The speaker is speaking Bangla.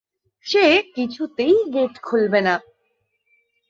সে কিছুতেই গেট খুলবে না।